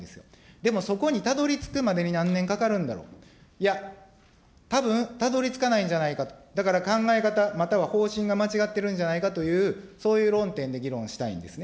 でもそこにたどりつくまでに、何年かかるんだろう、いや、たぶんたどりつかないんじゃないかと、だから考え方、または方針が間違ってるんじゃないかという、そういう論点で議論したいんですね。